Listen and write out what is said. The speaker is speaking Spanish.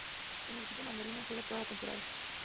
En el equipo mandarina juega toda la temporada.